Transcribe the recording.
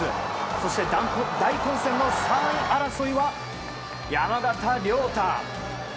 そして大混戦の３位争いは山縣亮太。